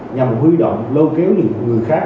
nhằm huy động lâu kéo những người khác